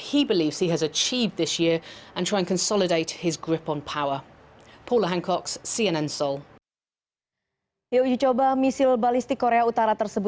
pemerintah north korea kim jong un dipercaya telah mengatakannya